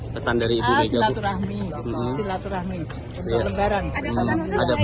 pesan dari ibu mega bu